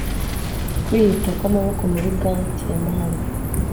kwihuta kwamaboko muri gants ya mahame